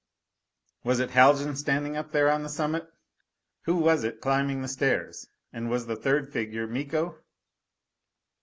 Was it Haljan standing up there on the summit? Who was it climbing the stairs? And was the third figure Miko?